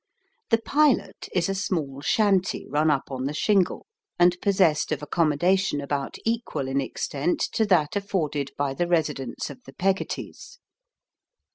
"The Pilot" is a small shanty run up on the shingle, and possessed of accommodation about equal in extent to that afforded by the residence of the Peggottys.